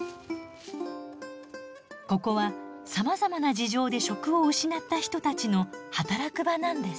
ここはさまざまな事情で職を失った人たちの働く場なんです。